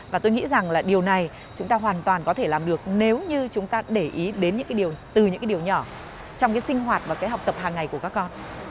và tôi nghĩ rằng là điều này chúng ta hoàn toàn có thể làm được nếu như chúng ta để ý đến những cái điều từ những cái điều nhỏ trong cái sinh hoạt và cái học tập hàng ngày của các con